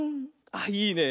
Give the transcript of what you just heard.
あっいいね。